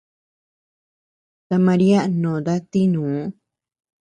Ta María nòta tinuu.